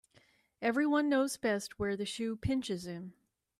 Every one knows best where the shoe pinches him